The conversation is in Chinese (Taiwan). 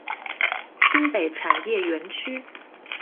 新北產業園區